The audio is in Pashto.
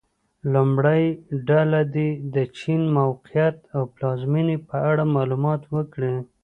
لومړۍ ډله دې د چین موقعیت او پلازمېنې په اړه معلومات ورکړي.